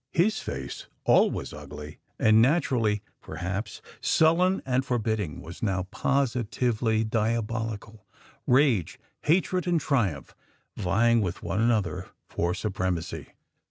"His face, always ugly, and naturally, perhaps, sullen and forbidding, was now positively diabolical; rage, hatred, and triumph vieing with one another for supremacy.